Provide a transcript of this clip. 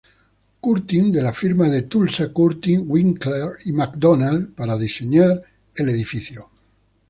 Curtin de la firma de Tulsa Curtin, Winkler y Macdonald para diseñar la iglesia.